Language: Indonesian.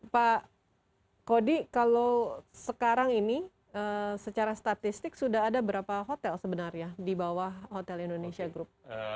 pak kodi kalau sekarang ini secara statistik sudah ada berapa hotel sebenarnya di bawah hotel indonesia group